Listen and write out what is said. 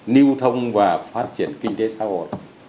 nưu thông và phát triển kinh tế xã hội